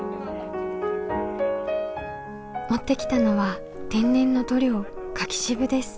持ってきたのは天然の塗料柿渋です。